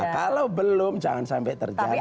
kalau belum jangan sampai terjadi